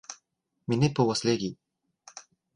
Mi ne povas legi.